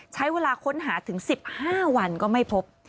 ใช้เวลาค้นหาถึง๑๕วันก็ไม่พบ